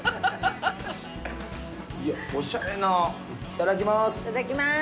いただきます。